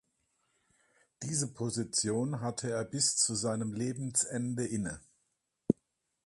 Diese Position hatte er bis zu seinem Lebensende inne.